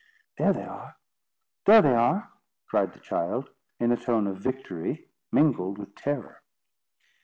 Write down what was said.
'There they are, there they are!' cried the child, in a tone of victory mingled with terror.